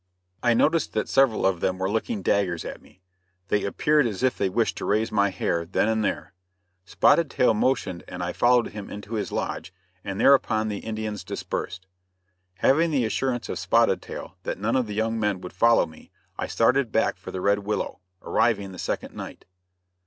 I noticed that several of them were looking daggers at me. They appeared as if they wished to raise my hair then and there. Spotted Tail motioned and I followed him into his lodge, and thereupon the Indians dispersed. Having the assurance of Spotted Tail that none of the young men would follow me I started back for the Red Willow, arriving the second night.